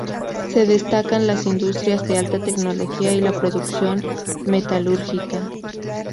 Se destacan las industrias de alta tecnología y la producción metalúrgica.